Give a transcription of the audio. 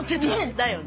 だよね。